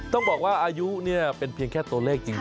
ต้องบอกว่าอายุเป็นเพียงแค่ตัวเลขจริง